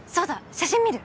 写真見る？